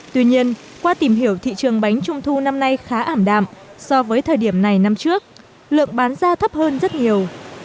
tuy nhiên qua tìm hiểu thị trường bánh trung thu năm nay khá ảm đạm so với thời điểm này năm trước lượng bán ra thấp hơn rất nhiều